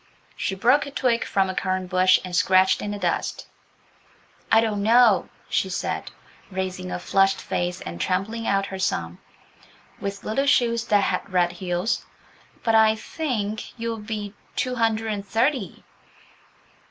She broke a twig from a currant bush and scratched in the dust. "I don't know," she said, raising a flushed face, and trampling out her "sum" with little shoes that had red heels, "but I think you'll be two hundred and thirty."